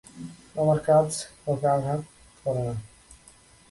আমার কাজ কাউকে আঘাত করে না।